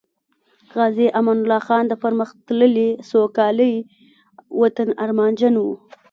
غازی امان الله خان د پرمختللي، سوکالۍ وطن ارمانجن وو